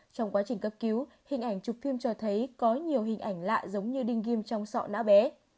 trong quá trình cấp cứu hình ảnh chụp phim cho thấy có nhiều hình ảnh lạ giống như đinh kim trong sọ não bé